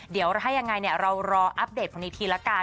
เดี๋ยวถ้ายังไงเรารออัปเดตคนนี้ทีละกัน